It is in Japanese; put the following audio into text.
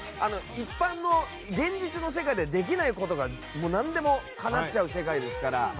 一般の現実の世界ではできないことが、何でもかなっちゃう世界ですから。